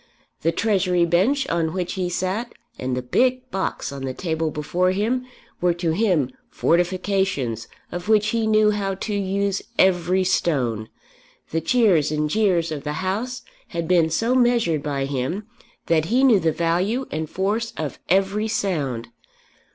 The Treasury Bench on which he sat and the big box on the table before him were to him fortifications of which he knew how to use every stone. The cheers and the jeers of the House had been so measured by him that he knew the value and force of every sound.